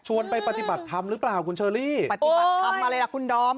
ไปปฏิบัติธรรมหรือเปล่าคุณเชอรี่ปฏิบัติธรรมอะไรล่ะคุณดอม